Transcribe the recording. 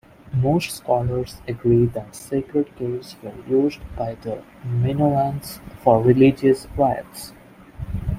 Most scholars agree that sacred caves were used by the Minoans for religious rites.